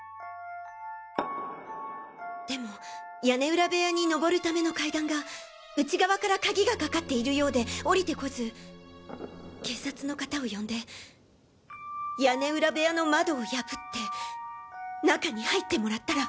でも屋根裏部屋にのぼるための階段が内側から鍵が掛かっているようで降りて来ず警察の方を呼んで屋根裏部屋の窓を破って中に入ってもらったら。